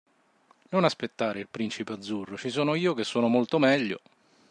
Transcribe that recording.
Non aspettare il principe azzurro, ci sono io che sono molto meglio!